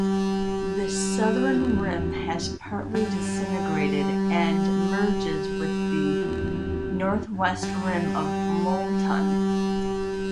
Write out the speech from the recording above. The southern rim has partly disintegrated, and merges with the northwest rim of Moulton.